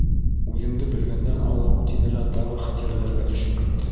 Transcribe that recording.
— Үҙемде белгәндән алып, — тине лә тағы хәтирәләргә төшөп китте.